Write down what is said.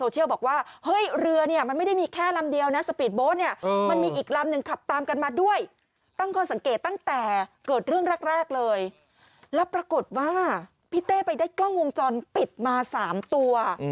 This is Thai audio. เกิดเรื่องแรกเลยแล้วปรากฏว่าพี่เต้ไปได้กล้องวงจรปิดมา๓ตัว